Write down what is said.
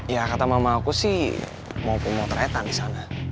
ya kata mama aku sih mau pungut retan di sana